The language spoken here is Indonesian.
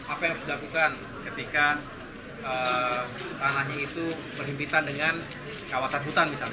apa yang harus dilakukan ketika tanahnya itu berhimpitan dengan kawasan hutan misalnya